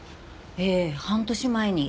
ええ半年前に。